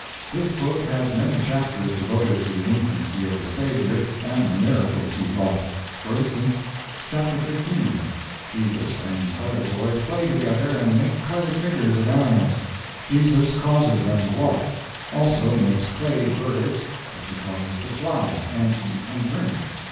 This book has many chapters devoted to the infancy of the Savior and the miracles he wrought. For instance: "Chapter 15. Jesus and other boys play together and make clay figures of animals. Jesus causes them to walk; also makes clay birds which he causes to fly, and eat and drink.